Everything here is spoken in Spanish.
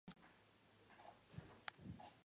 El paradero de Twilight es desconocido.